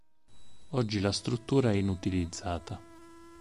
Oggi la struttura è inutilizzata.